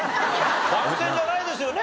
番宣じゃないですよね？